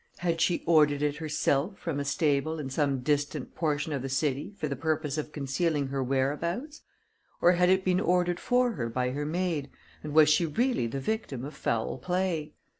Had she ordered it herself from a stable in some distant portion of the city for the purpose of concealing her whereabouts, or had it been ordered for her by her maid, and was she really the victim of foul play?